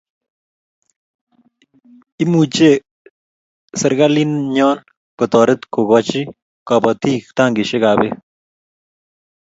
Imuchi serkalit nyo kotoret kokoch kobotik tankisiekab Bek